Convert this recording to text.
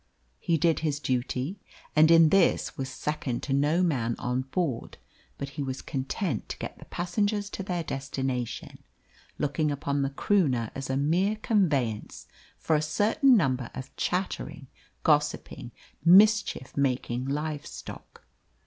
He did his duty, and in this was second to no man on board; but he was content to get the passengers to their destination, looking upon the Croonah as a mere conveyance for a certain number of chattering, gossiping, mischief making live stock.